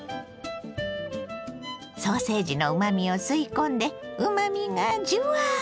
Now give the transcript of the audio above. ソーセージのうまみを吸い込んでうまみがジュワッ！